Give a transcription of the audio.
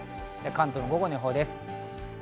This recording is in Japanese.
関東の午後の予報です。